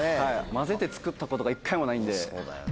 混ぜて作ったことが１回もないんで。